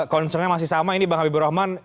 concernnya masih sama ini bang habibur rahman